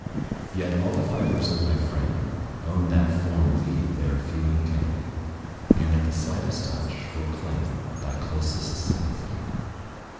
Yet all the fibres of my frame Own that from thee their feeling came; And, at the slightest touch, will claim Thy closest sympathy.